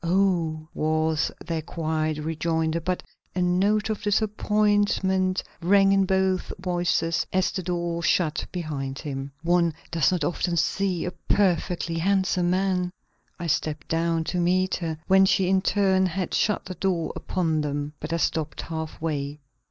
"Oh!" was their quiet rejoinder, but a note of disappointment rang in both voices as the door shut behind him. "One does not often see a perfectly handsome man." I stepped down to meet her when she in turn had shut the door upon them. But I stopped half way.